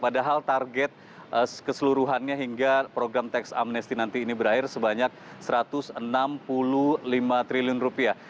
padahal target keseluruhannya hingga program teks amnesty nanti ini berakhir sebanyak satu ratus enam puluh lima triliun rupiah